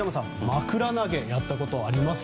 まくら投げやったことありますか。